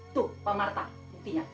tuh pak marta buktinya